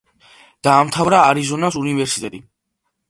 დაამთავრა არიზონას უნივერსიტეტი.